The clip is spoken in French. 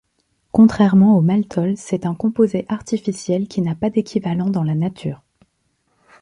Contrairement au maltol, c’est un composé artificiel qui n’a pas d’équivalent dans la nature.